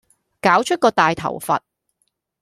搞出個大頭佛